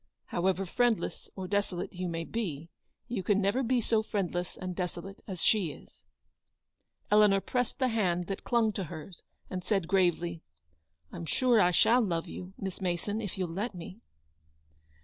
" However friendless or desolate you may be, you can never be so friendless and desolate as she is." Eleanor pressed the hand that clung to hers, and said, gravely : "I'm sure I shall love you, Miss Mason, if you'll let me."